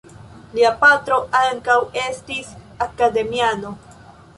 Lia patro ankaŭ estis akademiano.